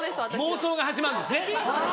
妄想が始まるんですね。